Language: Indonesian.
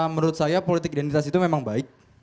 menurut saya politik identitas itu memang baik